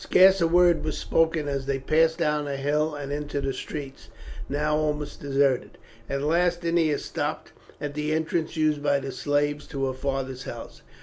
Scarce a word was spoken as they passed down the hill and into the streets, now almost deserted. At last Ennia stopped at the entrance used by the slaves to her father's house.